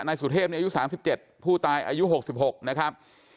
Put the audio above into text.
นายสุเทพเนี่ยอายุสามสิบเจ็ดผู้ตายอายุหกสิบหกนะครับ